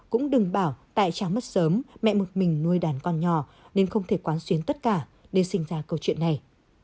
cũng đừng bảo tại tráng mất sớm mẹ một mình nuôi đàn con nhỏ nên không thể quán xuyến tất cả để sinh ra câu chuyện này